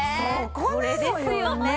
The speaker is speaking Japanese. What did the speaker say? これですよね。